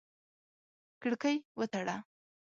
کړکۍ وتړه!